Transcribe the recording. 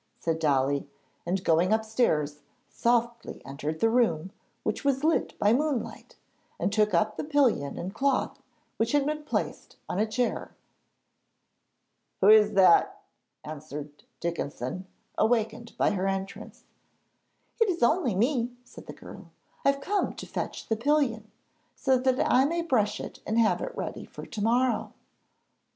said Dolly, and, going upstairs, softly entered the room, which was lit by moonlight, and took up the pillion and cloth, which had been placed on a chair. 'Who is that?' asked Dickinson, awakened by her entrance. 'It is only me,' said the girl; 'I've come to fetch the pillion, so that I may brush it and have it ready for to morrow.'